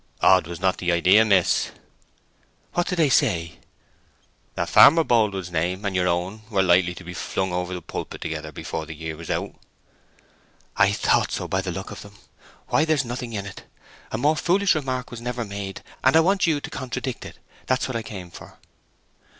"Odd was not the idea, miss." "What did they say?" "That Farmer Boldwood's name and your own were likely to be flung over pulpit together before the year was out." "I thought so by the look of them! Why, there's nothing in it. A more foolish remark was never made, and I want you to contradict it: that's what I came for."